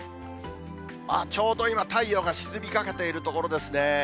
ああ、ちょうど今、太陽が沈みかけているところですね。